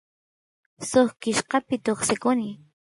suk kishkapi tuksikuny